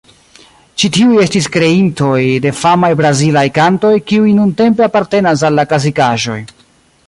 Ĉi tiuj estis kreintoj de famaj brazilaj kantoj, kiuj nuntempe apartenas al la klasikaĵoj.